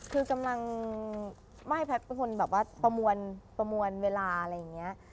คือกำลังไม่แพทย์เป็นคนแบบว่าประมวลประมวลเวลาอะไรอย่างนี้